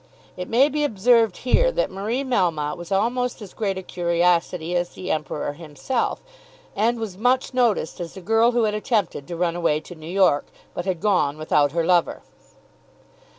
It may be observed here that Marie Melmotte was almost as great a curiosity as the Emperor himself, and was much noticed as the girl who had attempted to run away to New York, but had gone without her lover.